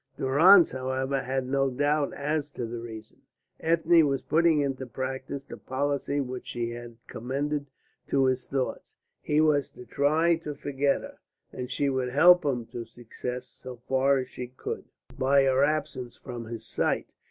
Durrance, however, had no doubt as to the reason. Ethne was putting into practice the policy which she had commended to his thoughts. He was to try to forget her, and she would help him to success so far as she could by her absence from his sight.